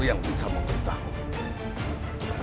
yang bisa mengetahui